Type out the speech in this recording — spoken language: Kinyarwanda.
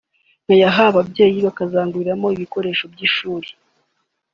nkayaha ababyeyi bakazayanguriramo ibikoresho by’ishuri